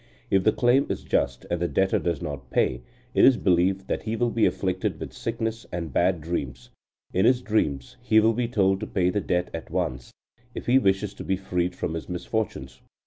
If the claim is just, and the debtor does not pay, it is believed that he will be afflicted with sickness and bad dreams. In his dreams he will be told to pay the debt at once, if he wishes to be freed from his misfortunes.